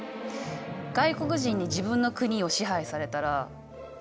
外国人に自分の国を支配されたらどう思うかな？